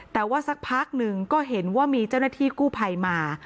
แต่ว่าสักพักหนึ่งก็เห็นว่ามีเจ้าหน้าที่กู้ภัยมา